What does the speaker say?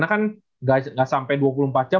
gak sampai dua puluh empat jam